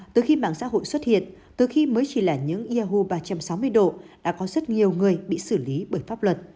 từ khi mạng xã hội xuất hiện từ khi mới chỉ là những yahu ba trăm sáu mươi độ đã có rất nhiều người bị xử lý bởi pháp luật